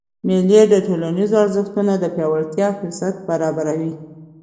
مېلې د ټولنیزو ارزښتونو د پیاوړتیا فُرصت برابروي.